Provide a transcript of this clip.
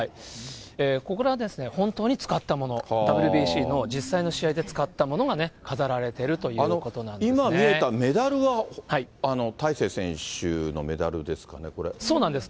ここが、本当に使ったもの、ＷＢＣの実際の試合で使ったものが飾られているということなんで今、見えたメダルは大勢選手そうなんです。